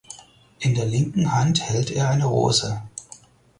In der linken Hand hält er eine Rose.